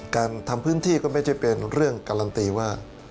การทำพื้นที่ก็ไม่ใช่เป็นเรื่องการันตีว่า